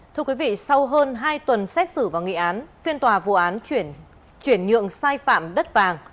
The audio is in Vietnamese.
thưa quý vị sau hơn hai tuần xét xử và nghị án phiên tòa vụ án chuyển nhượng sai phạm đất vàng